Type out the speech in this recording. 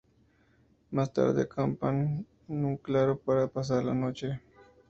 Más tarde acampan en un claro para pasar la noche.